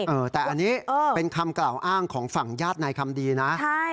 เออแต่อันนี้เป็นคำกล่าวอ้างของฝั่งญาตินายคำดีนะใช่